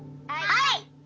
はい！